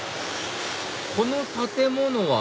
この建物は？